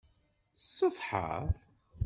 Tsetḥaḍ?